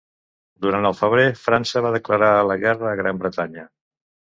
Durant el febrer França va declarar la guerra a Gran Bretanya.